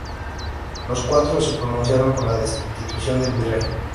Los cuatro se pronunciaron por la destitución del virrey.